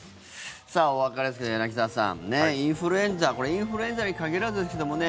さあ、お別れですけれど柳澤さんインフルエンザ。これ、インフルエンザに限らずですけどもね